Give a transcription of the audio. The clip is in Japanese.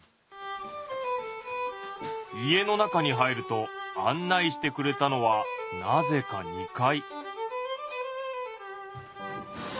家の中に入ると案内してくれたのはなぜか２階。